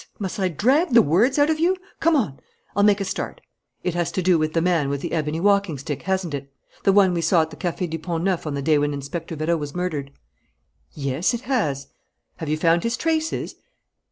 Must I drag the words out of you? Come on! I'll make a start. It has to do with the man with the ebony walking stick, hasn't it? The one we saw at the Café du Pont Neuf on the day when Inspector Vérot was murdered?" "Yes, it has." "Have you found his traces?"